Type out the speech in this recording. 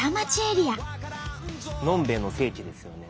のんべえの聖地ですよね